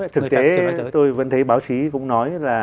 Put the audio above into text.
thực tế chúng tôi vẫn thấy báo chí cũng nói là